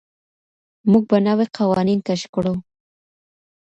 موږ به نوي قوانين کشف کړو.